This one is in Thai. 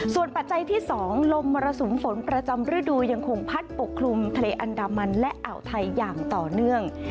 ส่วนปัจจัยที่๒ลมมรสุมฝนประจำฤดูยังคงพัดปกคลุมทะเลอันดามันและอ่าวไทยอย่างต่อเนื่อง